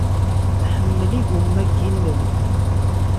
Tḥemmel igumma n yilel.